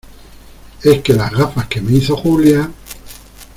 es que las gafas que me hizo Julia